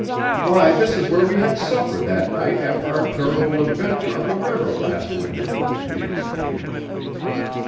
"Why, this is where we had supper that night after our terrible adventure on the river last winter," he exclaimed.